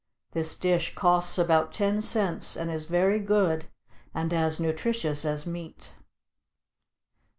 This dish costs about ten cents, and is very good, and as nutritious as meat.